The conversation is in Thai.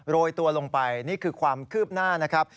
โรยตัวลงไปนี่คือความคืบหน้านะครับ